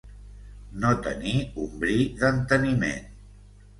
No tenir un bri d'enteniment.